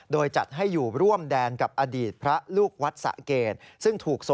โดยจัดให้อยู่ร่วมแดนกับอดีตพระลูกวัดสะเกดซึ่งถูกส่ง